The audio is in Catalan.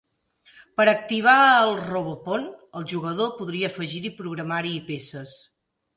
Per activar el Robopon, el jugador podria afegir-hi programari i peces.